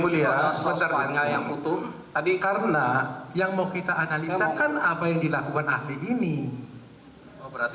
mulia sebenarnya yang utuh tadi karena yang mau kita analisa kan apa yang dilakukan ahli ini berarti